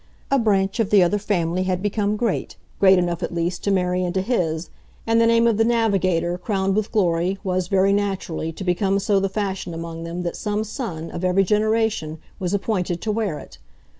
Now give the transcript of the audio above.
A branch of the other family had become great great enough, at least, to marry into his; and the name of the navigator, crowned with glory, was, very naturally, to become so the fashion among them that some son, of every generation, was appointed to wear it.